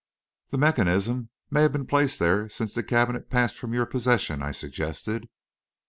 "The mechanism may have been placed there since the cabinet passed from your possession," I suggested.